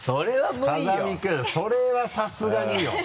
風見君それはさすがによ。